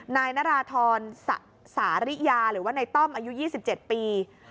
นายนาราธรสาริยาหรือว่าในต้อมอายุ๒๗ปี